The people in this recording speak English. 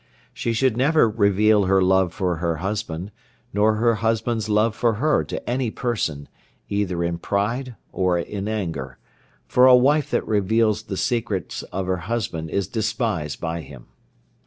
She should never reveal her love for her husband, nor her husband's love for her to any person, either in pride or in anger, for a wife that reveals the secrets of her husband is despised by him.